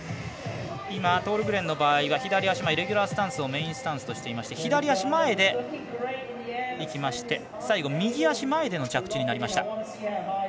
今、トールグレンの場合は左足前レギュラースタンスをメインスタンスとしていまして左足前でいきまして最後右足前での着地となりました。